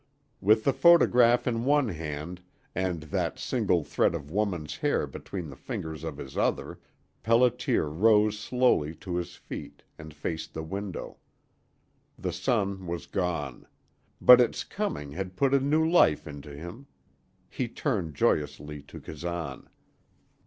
With the photograph in one hand and that single thread of woman's hair between the fingers of his other Pelliter rose slowly to his feet and faced the window. The sun was gone. But its coming had put a new life into him. He turned joyously to Kazan.